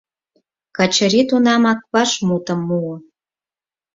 — Качыри тунамак вашмутым муо.